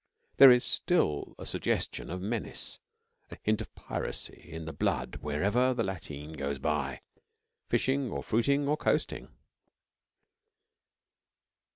There is still a suggestion of menace, a hint of piracy, in the blood whenever the lateen goes by, fishing or fruiting or coasting.